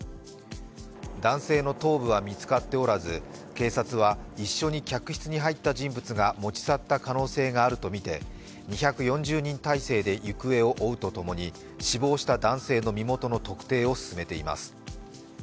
男性の頭部は見つかっておらず警察は一緒に客室に入った人物が持ち去った可能性があるとみて２４０人態勢で行方を追うとともに死亡した男性の身元の特定を進めています。